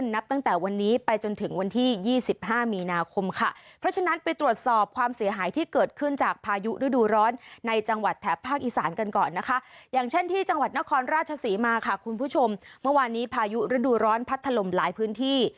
ในจังหวัดนครราชศรีมาค่ะคุณผู้ชมเมื่อวานนี้ภายุฤดูร้อนพัดถลมหลายพื้นที่